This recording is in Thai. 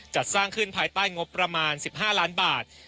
จัดสร้างขึ้นภายใต้งบประมาณ๑๕ล้านบาท